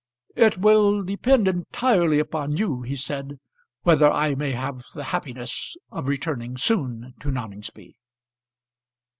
"It will depend entirely upon you," he said, "whether I may have the happiness of returning soon to Noningsby."